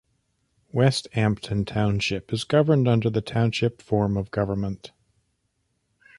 Westampton Township is governed under the Township form of government.